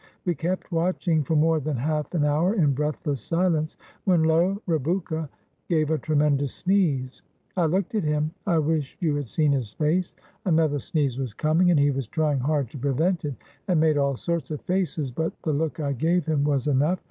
We kept watching for more than half an hour in breathless silence, when lo ! Rebouka gave a tremendous sneeze. I looked at him. I wish you had seen his face. Another sneeze was coming, and he was trying hard to prevent it, and made all sorts of faces, but the look I gave him was 408 THE VILLAGE OF DWARFS enough